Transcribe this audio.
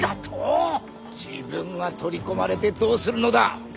自分が取り込まれてどうするのだ。